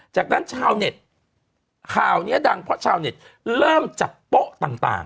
จากนั้นชาวเน็ตข่าวนี้ดังเพราะชาวเน็ตเริ่มจับโป๊ะต่าง